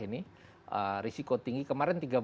ini risiko tinggi kemarin